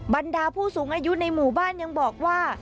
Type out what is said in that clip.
บรรดาผู้สูงอายุในหมู่บ้านยังบอกว่า